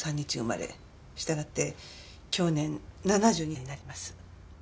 したがって享年７２になります。